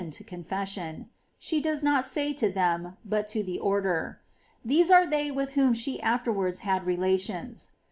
to confession, — she does not say to them, but to the Order.^ These are they with whom she afterwards had relations.